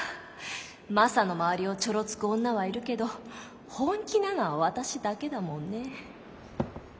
マサの周りをちょろつく女はいるけど本気なのは私だけだもんね。